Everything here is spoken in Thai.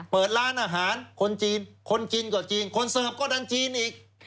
เปิดร้านอาหารคนจีนคนจีนก็จีนคนเสิร์ฟก็ดันจีนอีก